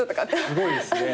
すごいですね。